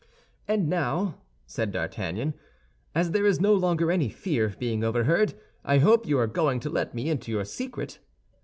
"And now," said D'Artagnan, "as there is no longer any fear of being overheard, I hope you are going to let me into your secret."